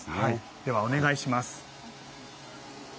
ではお願いします。